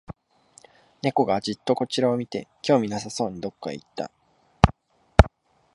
猫がじっとこちらを見て、興味なさそうにどこかへ行った